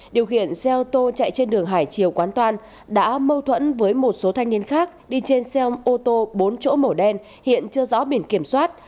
điều khiển xe ô tô chạy trên đường hải triều quán toan đã mâu thuẫn với một số thanh niên khác đi trên xe ô tô bốn chỗ màu đen hiện chưa rõ biển kiểm soát